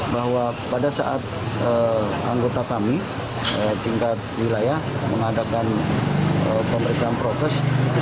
bahwa pada saat anggota kami tingkat wilayah mengadakan pemeriksaan protes